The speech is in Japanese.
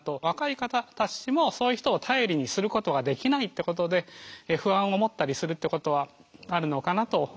若い方たちもそういう人を頼りにすることができないってことで不安を持ったりするってことはあるのかなと。